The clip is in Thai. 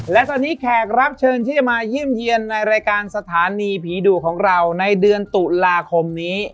และตอนนี้แขกรับเชิญที่จะมาเยี่ยมเยี่ยนในรายการสถานีผีดุของเราในเดือนตุลาคมนี้